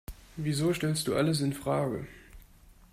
Wieso stellst du alles infrage?